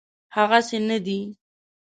هغسي نه دی.